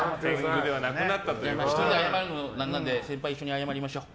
１人で謝るのも何なので先輩、一緒に謝りましょう。